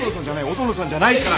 音野さんじゃないから！